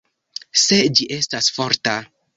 Se ĝi estas forta.